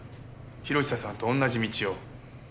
博久さんと同じ道を。